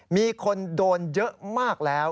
มีคนโดนเยอะมากแล้ว